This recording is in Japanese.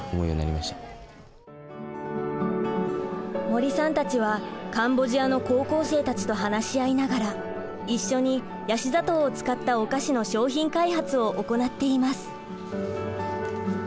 森さんたちはカンボジアの高校生たちと話し合いながら一緒にヤシ砂糖を使ったお菓子の商品開発を行っています。